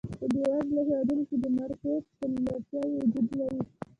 په بېوزلو هېوادونو کې د مارکېټ نیمګړتیاوې وجود لري.